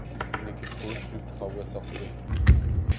N'eo ket posupl traoù seurt se !